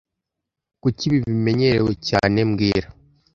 Kuki ibi bimenyerewe cyane mbwira